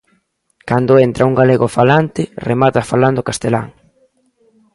Cando entra un galegofalante remata falando castelán.